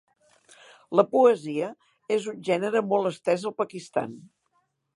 La poesia és un gènere molt estès al Pakistan.